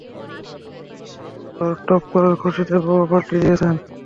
তোর টপ করার খুশিতে বাবা পার্টি দিয়েছেন!